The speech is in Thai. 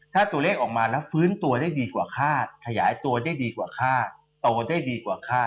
ถ้าตัวเลขออกมาแล้วฟื้นตัวได้ดีกว่าค่าขยายตัวได้ดีกว่าค่าโตได้ดีกว่าค่า